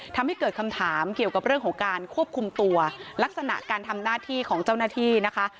ทำให้เกิดคำถามเกี่ยวกับเรื่องของการควบคุมตัวลักษณะการทำหน้าที่ของเจ้าหน้าที่นะคะ